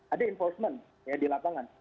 ada enforcement di lapangan